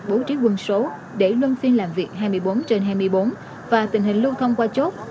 bố trí quân số để luân phiên làm việc hai mươi bốn trên hai mươi bốn và tình hình lưu thông qua chốt